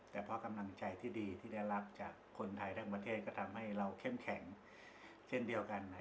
แต่เพราะกำลังใจที่ดีที่ได้รับจากคนไทยทั้งประเทศก็ทำให้เราเข้มแข็งเช่นเดียวกัน